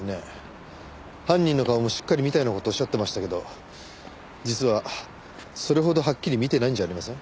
犯人の顔もしっかり見たような事仰ってましたけど実はそれほどはっきり見てないんじゃありません？